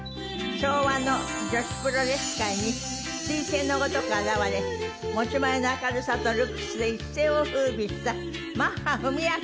昭和の女子プロレス界に彗星のごとく現れ持ち前の明るさとルックスで一世を風靡したマッハ文朱さん